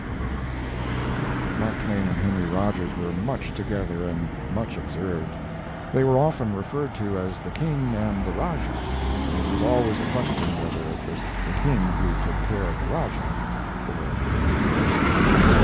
C. Mark Twain and Henry Rogers were much together and much observed. They were often referred to as "the King" and "the Rajah," and it was always a question whether it was "the King" who took care of "the Rajah," or vice versa.